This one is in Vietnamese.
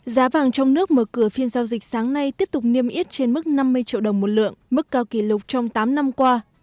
giá vàng trong nước mở cửa phiên giao dịch sáng nay tiếp tục niêm yết trên mức năm mươi triệu đồng một lượng mức cao kỷ lục trong tám năm qua